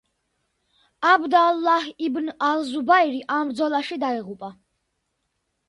აბდ ალ-ლაჰ იბნ ალ-ზუბაირი ამ ბრძოლაში დაიღუპა.